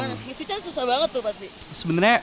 nge switch an susah banget tuh pasti